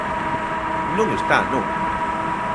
Non está, non.